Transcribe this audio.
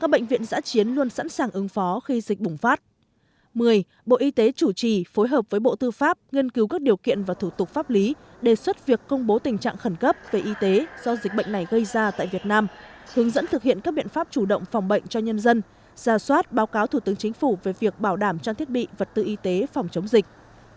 một mươi bộ y tế chủ trì phối hợp với bộ tư pháp nghiên cứu các điều kiện và thủ tục pháp lý đề xuất việc công bố tình trạng khẩn cấp về y tế do dịch bệnh này gây ra tại việt nam hướng dẫn thực hiện các biện pháp chủ động phòng bệnh cho nhân dân ra soát báo cáo thủ tướng chính phủ về việc bảo đảm cho thiết bị vật tư y tế phòng chống dịch